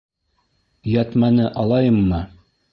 — Йәтмәне алайыммы?